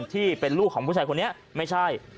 ที่เป็นลูกของผู้ชายคนนี้ไม่ใช่